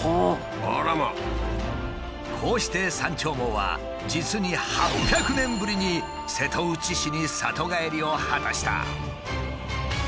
こうして「山鳥毛」は実に８００年ぶりに瀬戸内市に里帰りを果たした。